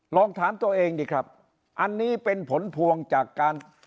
ลองถามตัวเองดีครับอันนี้เป็นผลพวงจากการ